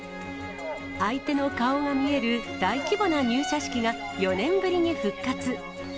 相手の顔が見える大規模な入社式が、４年ぶりに復活。